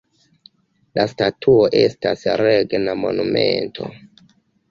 La statuo estas regna monumento.